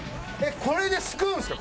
これですくうんですか？